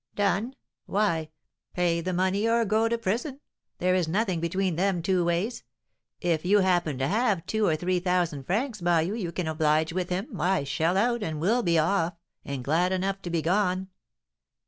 "Done? Why, pay the money, or go to prison! There is nothing between them two ways. If you happen to have two or three thousand francs by you you can oblige him with, why, shell out, and we'll be off, and glad enough to be gone!"